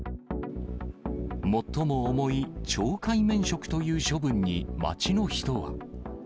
最も重い懲戒免職という処分に、街の人は。